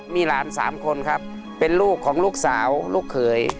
มีหลาน๓คนครับเป็นลูกของลูกสาวลูกเขย